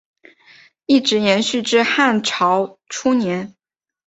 一直延续至汉朝初年。